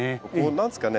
何ですかね